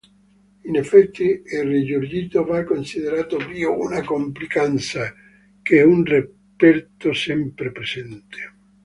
In effetti il rigurgito va considerato più una complicanza, che un reperto sempre presente.